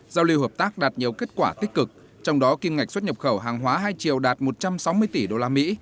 giao lưu hợp tác đạt nhiều kết quả tích cực trong đó kiên ngạch xuất nhập khẩu hàng hóa hai triệu đạt một trăm sáu mươi tỷ usd